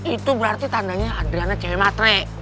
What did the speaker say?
itu berarti tandanya adriana cewek matre